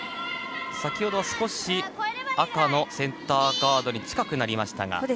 先ほどは少し赤のセンターガードに近くなりましたが。